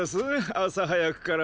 朝早くから。